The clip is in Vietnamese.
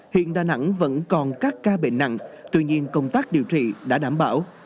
hiện đà nẵng vẫn còn các ca bệnh nặng tuy nhiên công tác điều trị đã đảm bảo